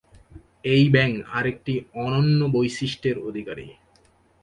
এই ব্যাঙ আরেকটি অনন্য বৈশিষ্ট্যের অধিকারী।